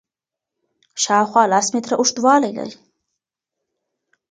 شاوخوا لس متره اوږدوالی لري.